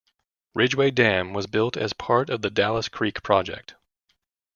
Ridgway Dam was built as part of the Dallas Creek Project.